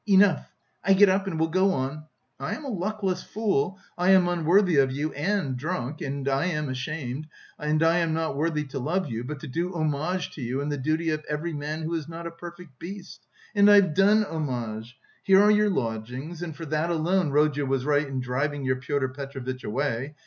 Enough! I get up and we'll go on! I am a luckless fool, I am unworthy of you and drunk... and I am ashamed.... I am not worthy to love you, but to do homage to you is the duty of every man who is not a perfect beast! And I've done homage.... Here are your lodgings, and for that alone Rodya was right in driving your Pyotr Petrovitch away....